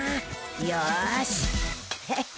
よし！